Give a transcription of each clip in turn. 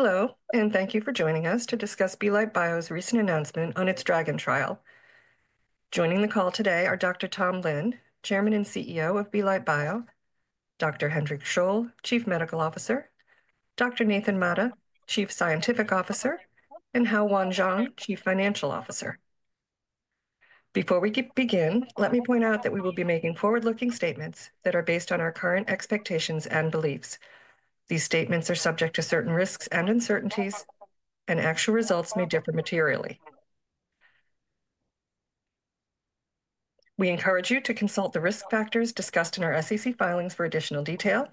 Hello, and thank you for joining us to discuss Belite Bio's recent announcement on its DRAGON trial. Joining the call today are Dr. Tom Lin, Chairman and CEO of Belite Bio; Dr. Hendrik Scholl, Chief Medical Officer; Dr. Nathan Mata, Chief Scientific Officer; and Hao-Yuan Chuang, Chief Financial Officer. Before we begin, let me point out that we will be making forward-looking statements that are based on our current expectations and beliefs. These statements are subject to certain risks and uncertainties, and actual results may differ materially. We encourage you to consult the risk factors discussed in our SEC filings for additional detail,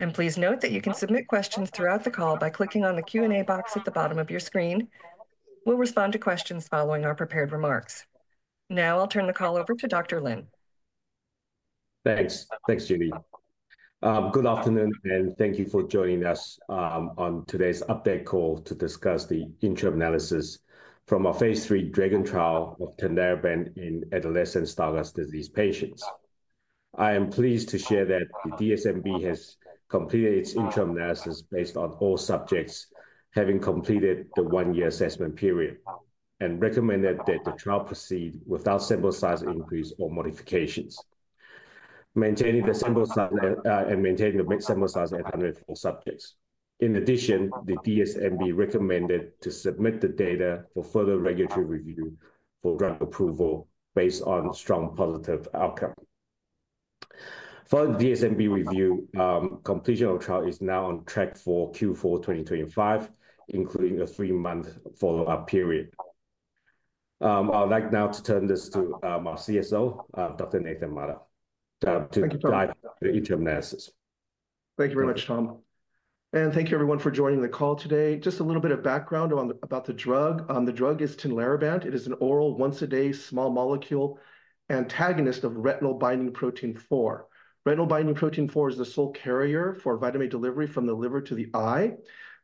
and please note that you can submit questions throughout the call by clicking on the Q&A box at the bottom of your screen. We'll respond to questions following our prepared remarks. Now I'll turn the call over to Dr. Lin. Thanks. Thanks, Judy. Good afternoon, and thank you for joining us on today's update call to discuss the interim analysis from our phase III DRAGON trial of Tinlarebant in adolescent Stargardt disease patients. I am pleased to share that the DSMB has completed its interim analysis based on all subjects having completed the one-year assessment period and recommended that the trial proceed without sample size increase or modifications, maintaining the sample size at 104 subjects. In addition, the DSMB recommended to submit the data for further regulatory review for drug approval based on strong positive outcome. For the DSMB review, completion of the trial is now on track for Q4 2025, including a three-month follow-up period. I'd like now to turn this to our CSO, Dr. Nathan Mata, to guide the interim analysis. Thank you very much, Tom, and thank you, everyone, for joining the call today. Just a little bit of background about the drug. The drug is Tinlarebant. It is an oral, once-a-day, small molecule antagonist of retinol-binding protein 4. Retinol-binding protein 4 is the sole carrier for vitamin A delivery from the liver to the eye.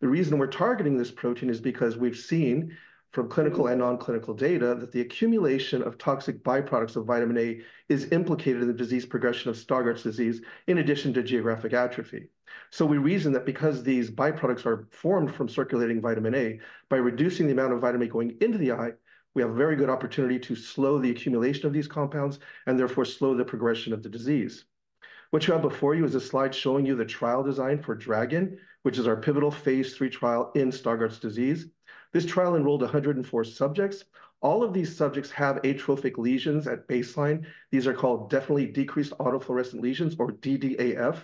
The reason we're targeting this protein is because we've seen from clinical and non-clinical data that the accumulation of toxic byproducts of vitamin A is implicated in the disease progression of Stargardt disease in addition to geographic atrophy so we reason that because these byproducts are formed from circulating vitamin A, by reducing the amount of vitamin A going into the eye, we have a very good opportunity to slow the accumulation of these compounds and therefore slow the progression of the disease. What you have before you is a slide showing you the trial design for DRAGON, which is our pivotal phase III trial in Stargardt disease. This trial enrolled 104 subjects. All of these subjects have atrophic lesions at baseline. These are called definitely decreased autofluorescence lesions, or DDAF.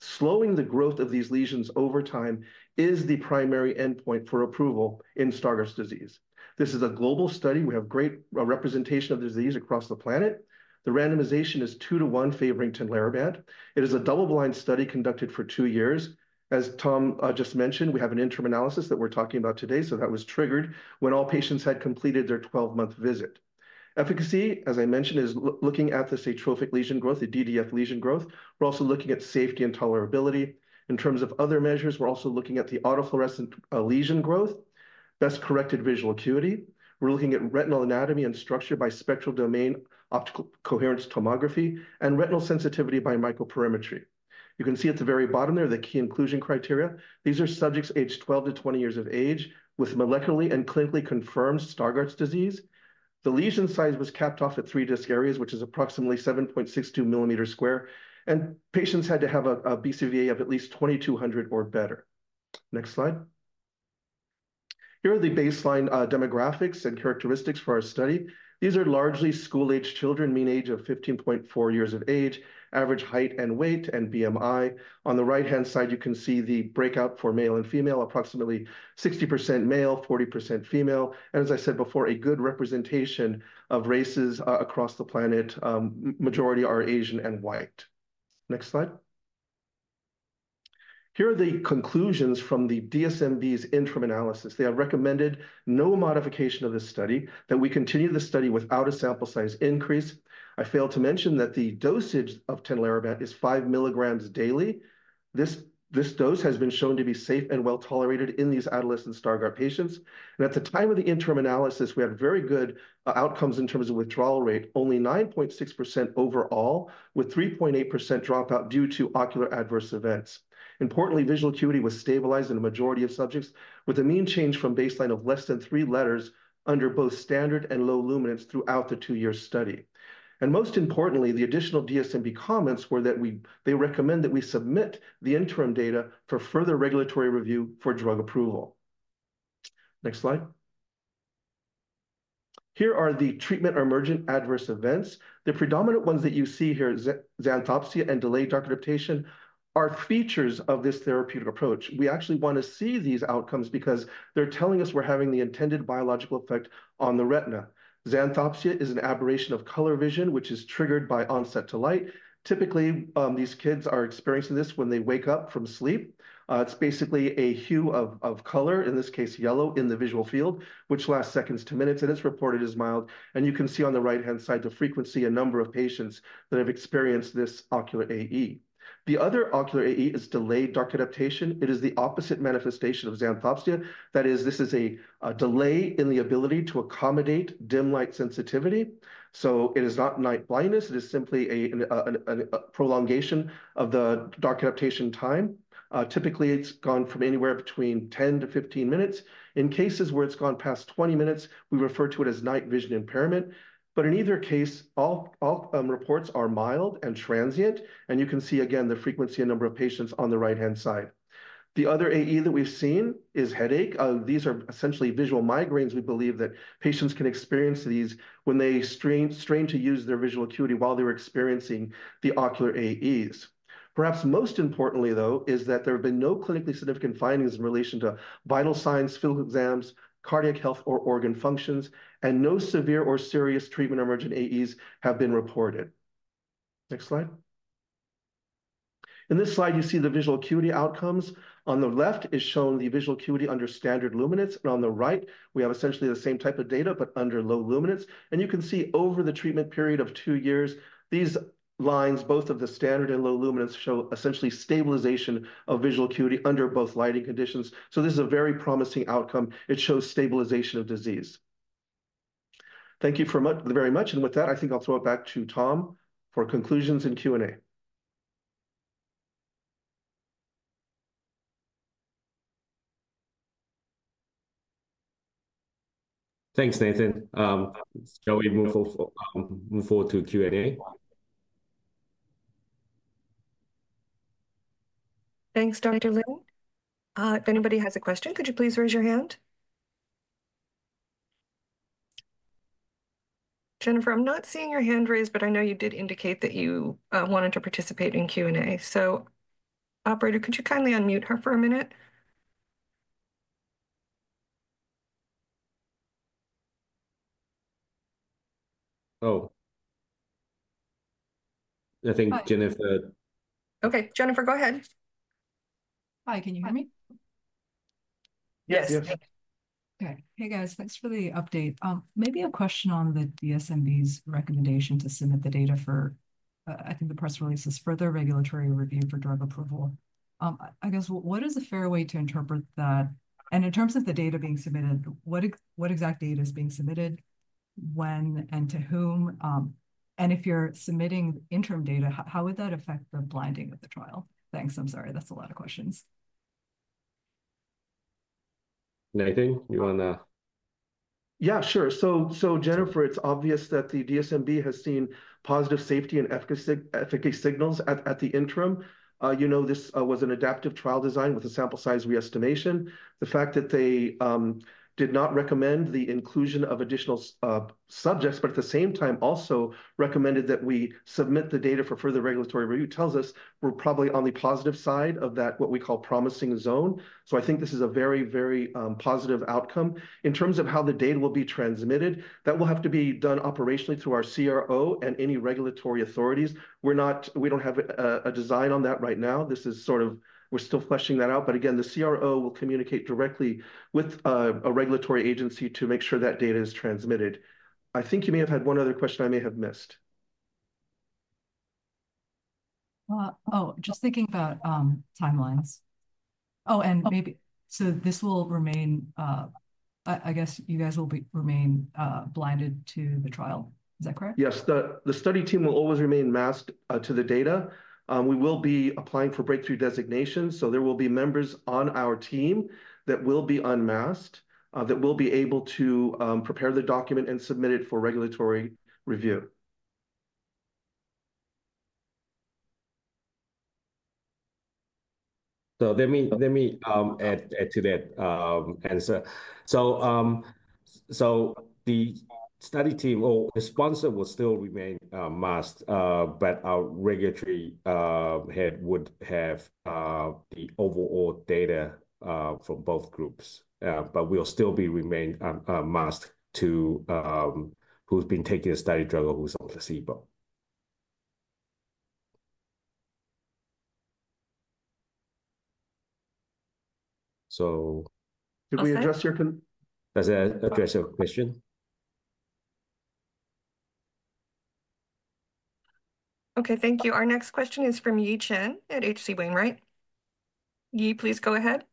Slowing the growth of these lesions over time is the primary endpoint for approval in Stargardt disease. This is a global study. We have great representation of the disease across the planet. The randomization is 2-1 favoring Tinlarebant. It is a double-blind study conducted for two years. As Tom just mentioned, we have an interim analysis that we're talking about today. So that was triggered when all patients had completed their 12-month visit. Efficacy, as I mentioned, is looking at this atrophic lesion growth, the DDAF lesion growth. We're also looking at safety and tolerability. In terms of other measures, we're also looking at the autofluorescent lesion growth, best-corrected visual acuity. We're looking at retinal anatomy and structure by spectral-domain optical coherence tomography and retinal sensitivity by microperimetry. You can see at the very bottom there are the key inclusion criteria. These are subjects aged 12 years-20 years of age with molecularly and clinically confirmed Stargardt disease. The lesion size was capped off at three disc areas, which is approximately 7.62 sq mm. Patients had to have a BCVA of at least 20/200 or better. Next slide. Here are the baseline demographics and characteristics for our study. These are largely school-aged children, mean age of 15.4 years of age, average height and weight, and BMI. On the right-hand side, you can see the breakout for male and female, approximately 60% male, 40% female. And as I said before, a good representation of races across the planet. Majority are Asian and white. Next slide. Here are the conclusions from the DSMB's interim analysis. They have recommended no modification of this study, that we continue the study without a sample size increase. I failed to mention that the dosage of Tinlarebant is 5 mg daily. This dose has been shown to be safe and well tolerated in these adolescent Stargardt patients. And at the time of the interim analysis, we had very good outcomes in terms of withdrawal rate, only 9.6% overall, with 3.8% dropout due to ocular adverse events. Importantly, visual acuity was stabilized in a majority of subjects with a mean change from baseline of less than three letters under both standard and low luminance throughout the two-year study. And most importantly, the additional DSMB comments were that they recommend that we submit the interim data for further regulatory review for drug approval. Next slide. Here are the treatment emergent adverse events. The predominant ones that you see here, xanthopsia and delayed dark adaptation, are features of this therapeutic approach. We actually want to see these outcomes because they're telling us we're having the intended biological effect on the retina. Xanthopsia is an aberration of color vision, which is triggered by onset to light. Typically, these kids are experiencing this when they wake up from sleep. It's basically a hue of color, in this case, yellow, in the visual field, which lasts seconds to minutes, and it's reported as mild. And you can see on the right-hand side the frequency and number of patients that have experienced this ocular AE. The other ocular AE is delayed dark adaptation. It is the opposite manifestation of xanthopsia. That is, this is a delay in the ability to accommodate dim light sensitivity, so it is not night blindness. It is simply a prolongation of the dark adaptation time. Typically, it's gone from anywhere between 10 minutes-15 minutes. In cases where it's gone past 20 minutes, we refer to it as night vision impairment, but in either case, all reports are mild and transient, and you can see, again, the frequency and number of patients on the right-hand side. The other AE that we've seen is headache. These are essentially visual migraines. We believe that patients can experience these when they strain to use their visual acuity while they were experiencing the ocular AEs. Perhaps most importantly, though, is that there have been no clinically significant findings in relation to vital signs, physical exams, cardiac health, or organ functions, and no severe or serious treatment emergent AEs have been reported. Next slide. In this slide, you see the visual acuity outcomes. On the left is shown the visual acuity under standard luminance. And on the right, we have essentially the same type of data, but under low luminance. And you can see over the treatment period of two years, these lines, both of the standard and low luminance, show essentially stabilization of visual acuity under both lighting conditions. So this is a very promising outcome. It shows stabilization of disease. Thank you very much. And with that, I think I'll throw it back to Tom for conclusions and Q&A. Thanks, Nathan. Shall we move forward to Q&A? Thanks, Dr. Lin. If anybody has a question, could you please raise your hand? Jennifer, I'm not seeing your hand raised, but I know you did indicate that you wanted to participate in Q&A. So, operator, could you kindly unmute her for a minute? Oh. I think Jennifer. Okay. Jennifer, go ahead. Hi. Can you hear me? Yes. Okay. Hey, guys. Thanks for the update. Maybe a question on the DSMB's recommendation to submit the data for, I think the press release is for the regulatory review for drug approval. I guess, what is a fair way to interpret that? And in terms of the data being submitted, what exact data is being submitted, when and to whom? And if you're submitting interim data, how would that affect the blinding of the trial? Thanks. I'm sorry. That's a lot of questions. Nathan, you want to? Yeah, sure. So, Jennifer, it's obvious that the DSMB has seen positive safety and efficacy signals at the interim. You know, this was an adaptive trial design with a sample size re-estimation. The fact that they did not recommend the inclusion of additional subjects, but at the same time also recommended that we submit the data for further regulatory review tells us we're probably on the positive side of that, what we call promising zone. So I think this is a very, very positive outcome. In terms of how the data will be transmitted, that will have to be done operationally through our CRO and any regulatory authorities. We don't have a design on that right now. This is sort of, we're still fleshing that out. But again, the CRO will communicate directly with a regulatory agency to make sure that data is transmitted. I think you may have had one other question I may have missed. Oh, just thinking about timelines. Oh, and maybe so this will remain, I guess you guys will remain blinded to the trial. Is that correct? Yes. The study team will always remain masked to the data. We will be applying for breakthrough designations. So there will be members on our team that will be unmasked, that will be able to prepare the document and submit it for regulatory review. So let me add to that answer. So the study team or the sponsor will still remain masked, but our regulatory head would have the overall data from both groups. But we'll still be remained masked to who's been taking a study drug or who's on placebo. So. Could we address your? That's the address of the question. Okay. Thank you. Our next question is from Yi Chen at H.C. Wainwright. Yi, please go ahead.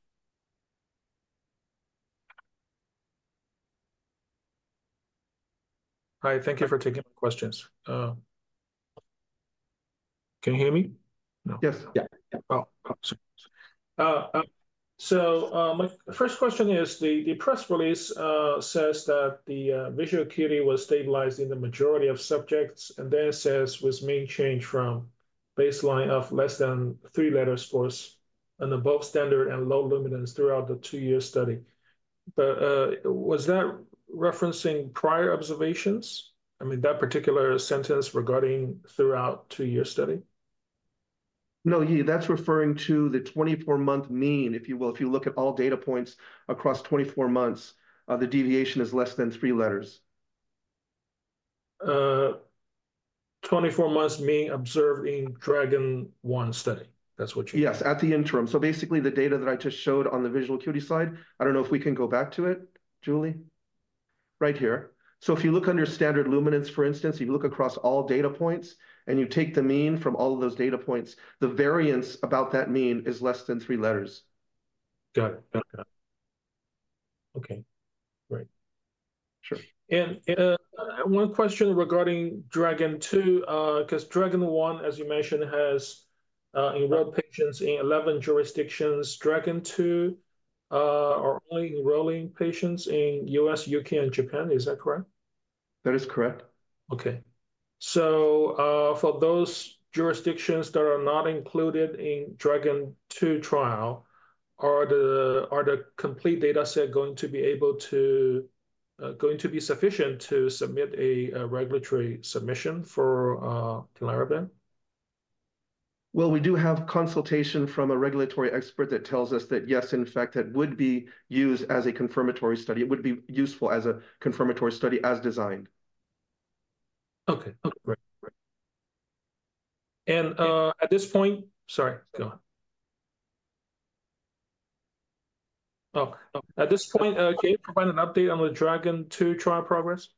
Hi. Thank you for taking my questions. Can you hear me? Yes. Yeah. Oh, sorry. So my first question is the press release says that the visual acuity was stabilized in the majority of subjects and then says was maintained from baseline of less than three letters lost at both standard and low luminance throughout the two-year study. But was that referencing prior observations? I mean, that particular sentence regarding throughout two-year study? No, Yi, that's referring to the 24-month mean, if you will. If you look at all data points across 24 months, the deviation is less than three letters. 24 months mean observed in DRAGON I study. That's what you. Yes, at the interim. So basically, the data that I just showed on the visual acuity side, I don't know if we can go back to it, Julie. Right here. So if you look under standard luminance, for instance, you look across all data points and you take the mean from all of those data points, the variance about that mean is less than three letters. Got it. Okay. Right. Sure. And one question regarding DRAGON II, because DRAGON I, as you mentioned, has enrolled patients in 11 jurisdictions. DRAGON II are only enrolling patients in U.S., U.K., and Japan. Is that correct? That is correct. For those jurisdictions that are not included in DRAGON II trial, are the complete data set going to be able to be sufficient to submit a regulatory submission for Tinlarebant? We do have consultation from a regulatory expert that tells us that yes, in fact, that would be used as a confirmatory study. It would be useful as a confirmatory study as designed. Okay. Okay. Right. At this point, can you provide an update on the DRAGON II trial progress?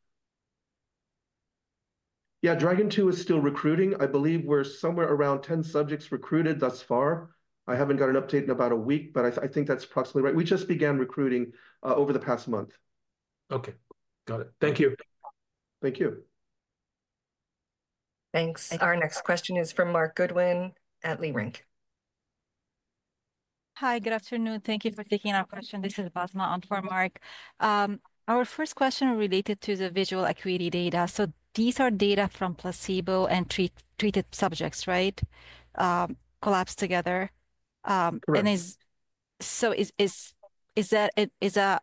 Yeah. DRAGON II is still recruiting. I believe we're somewhere around 10 subjects recruited thus far. I haven't got an update in about a week, but I think that's approximately right. We just began recruiting over the past month. Okay. Got it. Thank you. Thank you. Thanks. Our next question is from Marc Goodman at Leerink. Hi. Good afternoon. Thank you for taking our question. This is Basma on for Marc. Our first question related to the visual acuity data. So these are data from placebo and treated subjects, right? Collapse together. And so is that,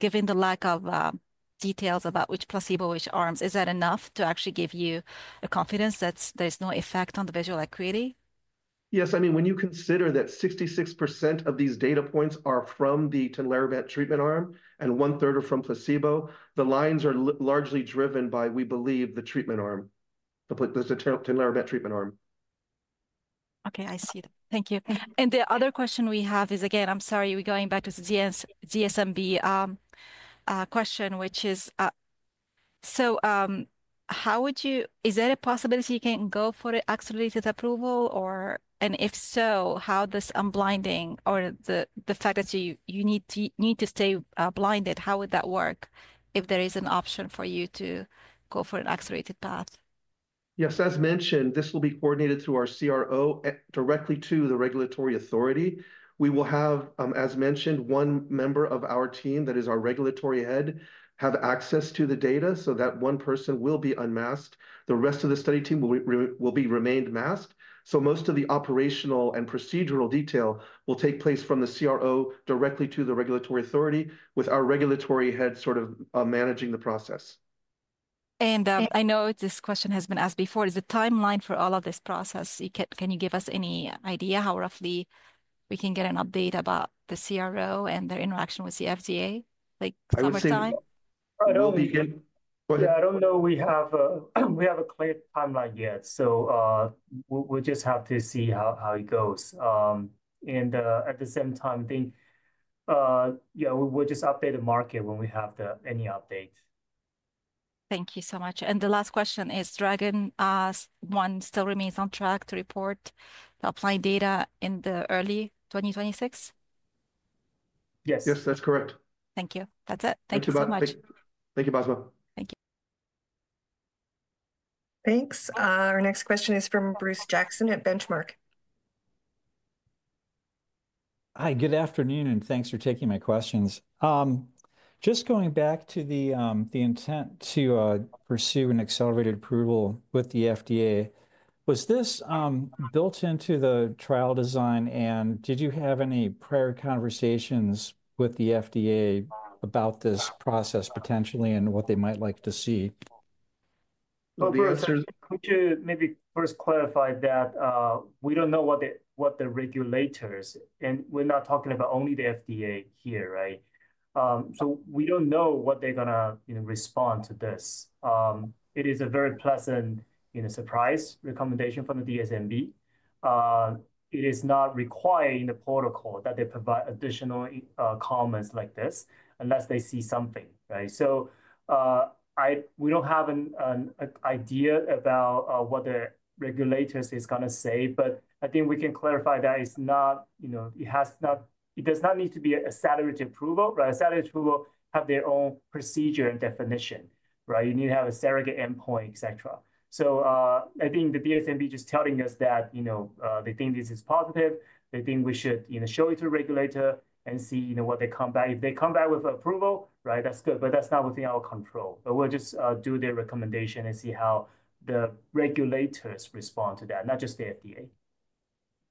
given the lack of details about which placebo, which arms, enough to actually give you confidence that there's no effect on the visual acuity? Yes. I mean, when you consider that 66% of these data points are from the Tinlarebant treatment arm and 1/3 are from placebo, the lines are largely driven by, we believe, the treatment arm, the Tinlarebant treatment arm. Okay. I see that. Thank you. And the other question we have is, again, I'm sorry, we're going back to the DSMB question, which is, so how would you, is there a possibility you can go for an accelerated approval? And if so, how does unblinding or the fact that you need to stay blinded, how would that work if there is an option for you to go for an accelerated path? Yes. As mentioned, this will be coordinated through our CRO directly to the regulatory authority. We will have, as mentioned, one member of our team that is our regulatory head have access to the data so that one person will be unmasked. The rest of the study team will be remained masked, so most of the operational and procedural detail will take place from the CRO directly to the regulatory authority with our regulatory head sort of managing the process. I know this question has been asked before. Is the timeline for all of this process, can you give us any idea how roughly we can get an update about the CRO and their interaction with the FDA? Like over time? I don't know. Yeah, I don't know. We have a clear timeline yet. So we'll just have to see how it goes, and at the same time, I think, yeah, we'll just update the market when we have any update. Thank you so much. And the last question is, DRAGON I still remains on track to report the topline data in the early 2026? Yes. Yes, that's correct. Thank you. That's it. Thank you so much. Thank you, Basma. Thank you. Thanks. Our next question is from Bruce Jackson at Benchmark. Hi. Good afternoon, and thanks for taking my questions. Just going back to the intent to pursue an accelerated approval with the FDA, was this built into the trial design? And did you have any prior conversations with the FDA about this process potentially and what they might like to see? Maybe first clarify that we don't know what the regulators, and we're not talking about only the FDA here, right? So we don't know what they're going to respond to this. It is a very pleasant surprise recommendation from the DSMB. It is not required in the protocol that they provide additional comments like this unless they see something, right? So we don't have an idea about what the regulators is going to say, but I think we can clarify that it's not, it does not need to be a regulatory approval, right? Regulatory approval have their own procedure and definition, right? You need to have a surrogate endpoint, et cetera. So I think the DSMB just telling us that they think this is positive. They think we should show it to a regulator and see what they come back. If they come back with approval, right, that's good, but that's not within our control. But we'll just do the recommendation and see how the regulators respond to that, not just the FDA.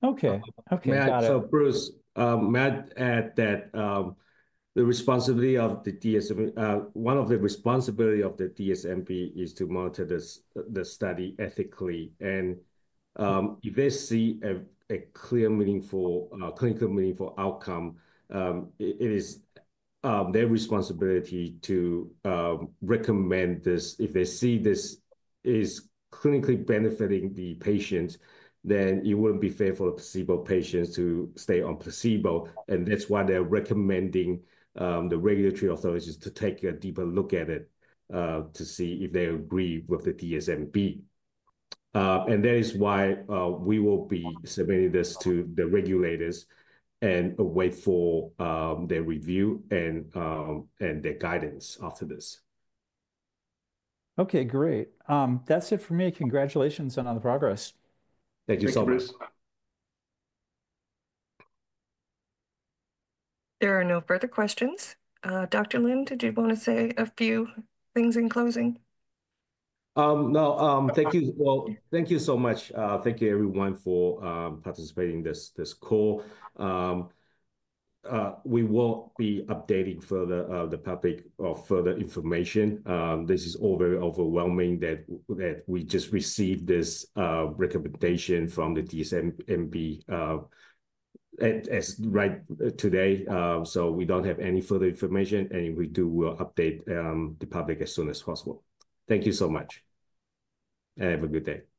Okay. Okay. So, Bruce, may I add that the responsibility of the DSMB, one of the responsibilities of the DSMB, is to monitor the study ethically. And if they see a clear meaningful clinical meaningful outcome, it is their responsibility to recommend this. If they see this is clinically benefiting the patients, then it wouldn't be fair for the placebo patients to stay on placebo. And that's why they're recommending the regulatory authorities to take a deeper look at it to see if they agree with the DSMB. And that is why we will be submitting this to the regulators and await for their review and their guidance after this. Okay. Great. That's it for me. Congratulations on the progress. Thank you so much. There are no further questions. Dr. Lin, did you want to say a few things in closing? No. Thank you. Well, thank you so much. Thank you, everyone, for participating in this call. We will be updating further the public of further information. This is all very overwhelming that we just received this recommendation from the DSMB right today. So we don't have any further information. And if we do, we'll update the public as soon as possible. Thank you so much. And have a good day.